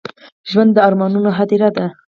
ژوند د ارمانونو هديره ده.